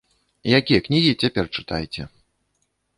Якія кнігі цяпер чытаеце?